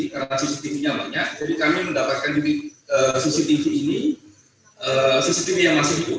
karena cctv nya banyak jadi kami mendapatkan cctv ini cctv yang masih itu